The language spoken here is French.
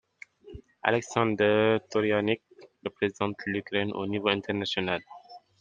Aleksandr Torianik représente l'Ukraine au niveau international.